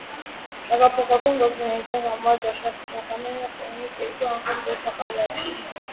Հեղափոխական գործունեության համար դաշնակցականների կողմից երկու անգամ ձերբակալվել է։